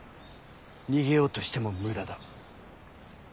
逃げようとしても無駄だ。